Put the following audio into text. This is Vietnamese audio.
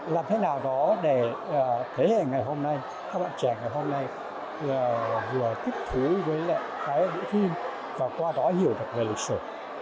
làm thế nào đó để thế hệ ngày hôm nay các bạn trẻ ngày hôm nay vừa thích thú với lại cái bộ phim và qua đó hiểu được về lịch sử